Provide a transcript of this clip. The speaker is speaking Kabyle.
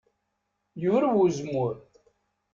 Yurew uzemmur.